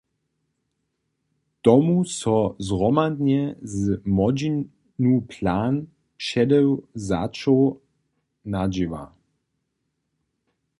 Tomu so zhromadnje z młodźinu plan předewzaćow nadźěła.